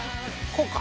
こうか？